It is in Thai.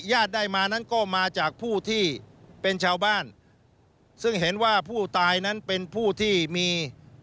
ญาติได้มานั้นก็มาจากผู้ที่เป็นชาวบ้านซึ่งเห็นว่าผู้ตายนั้นเป็นผู้ที่มี